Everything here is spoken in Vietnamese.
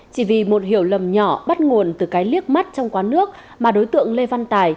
chỉ vì một hiểu lầm nhỏ bắt nguồn từ cái liếc mắt trong quán nước mà đối tượng lê văn tài